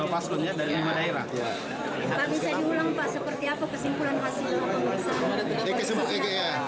pak bisa diulang pak seperti apa kesimpulan hasil